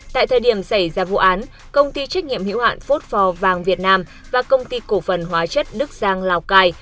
tại thời điểm xảy ra vụ án công ty trách nhiệm hiệu hạn food phò vàng việt nam và công ty cổ phần hóa chất đức giang lào cai